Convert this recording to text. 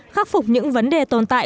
khắc phục những vấn đề tồn tại